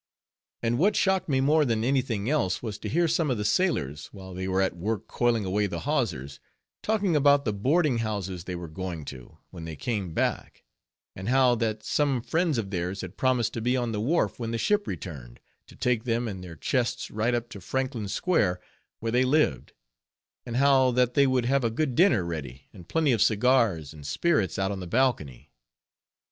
And what shocked me more than any thing else, was to hear some of the sailors, while they were at work coiling away the hawsers, talking about the boarding houses they were going to, when they came back; and how that some friends of theirs had promised to be on the wharf when the ship returned, to take them and their chests right up to Franklin square where they lived; and how that they would have a good dinner ready, and plenty of cigars and spirits out on the balcony.